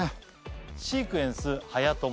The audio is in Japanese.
シークエンスはやとも。